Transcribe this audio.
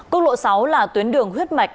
quốc lộ sáu là tuyến đường huyết mạch